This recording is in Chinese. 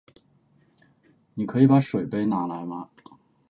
你可以把水杯拿来吗？